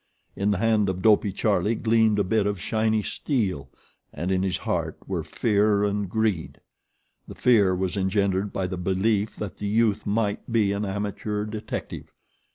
In the hand of Dopey Charlie gleamed a bit of shiny steel and in his heart were fear and greed. The fear was engendered by the belief that the youth might be an amateur detective.